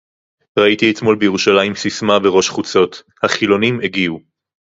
ראיתי אתמול בירושלים ססמה בראש חוצות: החילונים הגיעו